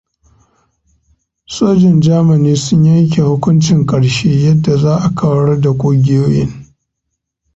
Sojin Jamani sun yanke hukuncin karshe yadda za a kawar da kugiyoyin.